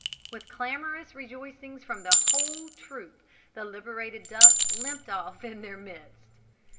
With clamourous rejoicings from the whole troop, the liberated duck limped off in their midst.